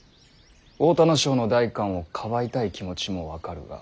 太田荘の代官をかばいたい気持ちも分かるが。